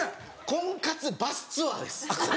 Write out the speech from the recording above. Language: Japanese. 婚活バスツアーです。